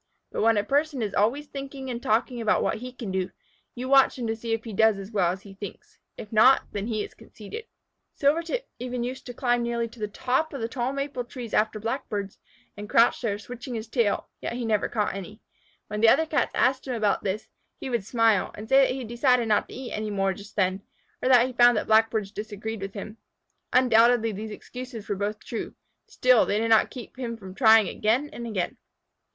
But when a person is always thinking and talking about what he can do, you watch him to see if he does as well as he thinks. If not, then he is conceited. Silvertip even used to climb nearly to the top of the tall maple trees after Blackbirds, and crouch there, switching his tail, yet he never caught any. When the other Cats asked him about this, he would smile, and say that he decided not to eat any more just then, or that he had found that Blackbirds disagreed with him. Undoubtedly these excuses were both true, still they did not keep him from trying again and again.